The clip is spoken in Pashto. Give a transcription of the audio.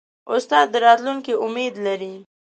استاد د راتلونکي امید لري.